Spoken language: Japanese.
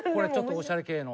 おしゃれ系の。